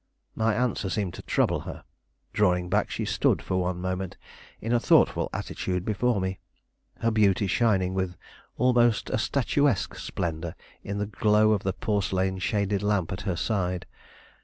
My answer seemed to trouble her. Drawing back, she stood for one moment in a thoughtful attitude before me, her beauty shining with almost a statuesque splendor in the glow of the porcelain shaded lamp at her side.